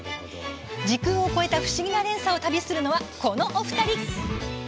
時空を超えた不思議な連鎖を旅するのは、このお二人。